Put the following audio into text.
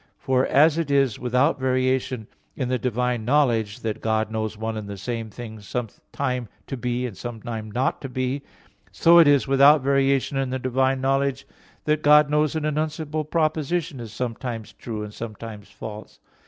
For as it is without variation in the divine knowledge that God knows one and the same thing sometime to be, and sometime not to be, so it is without variation in the divine knowledge that God knows an enunciable proposition is sometime true, and sometime false.